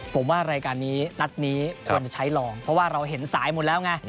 ผมว่ารายการนี้นัดนี้ควรใช้ลองเพราะว่าเราเห็นสายหมดแล้วไง